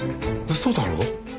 嘘だろ？